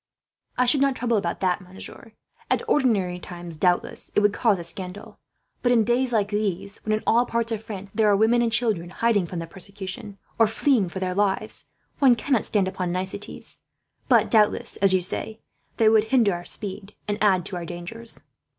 "I should not trouble about that, monsieur. At ordinary times, doubtless, it would cause a scandal; but in days like these, when in all parts of France there are women and children hiding from the persecution, or fleeing for their lives, one cannot stand upon niceties. But doubtless, as you say, they would hinder our speed and add to our dangers."